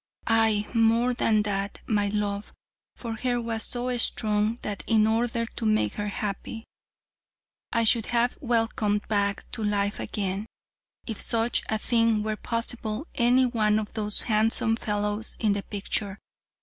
Aye, more than that, my love for her was so strong that in order to make her happy, I should have welcomed back to life again, if such a thing were possible, any one of those handsome fellows in the picture.